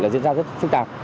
là diễn ra rất xúc tạp